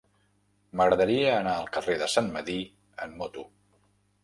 M'agradaria anar al carrer de Sant Medir amb moto.